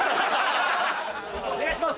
お願いします！